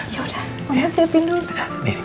yaudah mama siapin dulu